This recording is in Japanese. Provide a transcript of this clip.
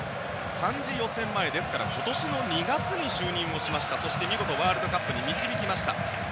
３次予選前今年の２月に就任をしましてそして見事ワールドカップに導きました。